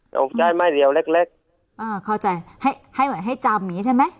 เราใช้ไม้เดียวเล็กเล็กอ่าเข้าใจให้ให้เหมือนให้จำนี้ใช่ไหม